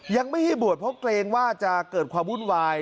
ยังไม่ให้บวชเพราะเกรงว่าจะเกิดความวุ่นวาย